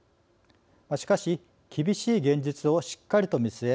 しかし厳しい現実をしっかりと見据え